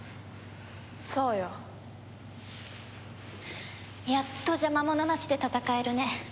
そうよ。やっと邪魔者なしで戦えるね。